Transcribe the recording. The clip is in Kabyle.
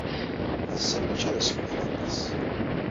Ass-a maci d asemmiḍ aṭas.